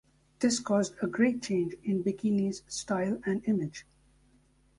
This caused a great change in Bikini's style and image.